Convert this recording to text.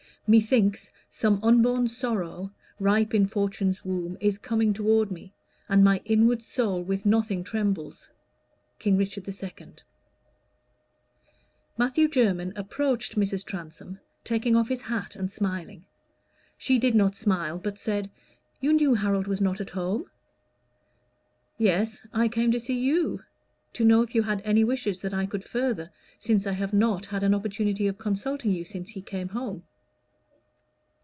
_ "Methinks, Some unborn sorrow, ripe in fortune's womb, Is coming toward me; and my inward soul With nothing trembles." King Richard II. Matthew Jermyn approached Mrs. Transome taking off his hat and smiling. She did not smile, but said "You knew Harold was not at home?" "Yes; I came to see you, to know if you had any wishes that I could further, since I have not had an opportunity of consulting you since he came home."